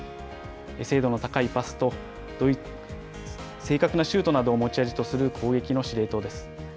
精度の高いパスと正確なシュートなどを持ち味とする攻撃の司令塔です。